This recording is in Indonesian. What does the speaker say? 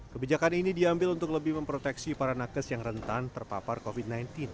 kebijakan ini diambil untuk lebih memproteksi para nakes yang rentan terpapar covid sembilan belas